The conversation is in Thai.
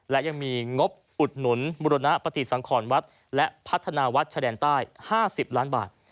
และยังมีงบอุดหนุนบุรณปฏิสังขรวัดและพัฒนาวัดชายแดนใต้๕๐ล้านบาท